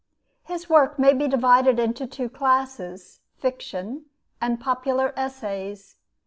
His work may be divided into two classes: fiction and popular essays.